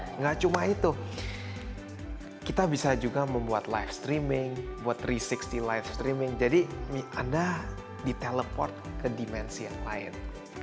tidak cuma itu kita bisa juga membuat live streaming buat resix di live streaming jadi anda diteleport ke dimensi yang lain